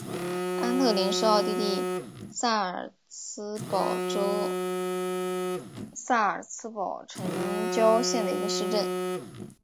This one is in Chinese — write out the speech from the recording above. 安特灵是奥地利萨尔茨堡州萨尔茨堡城郊县的一个市镇。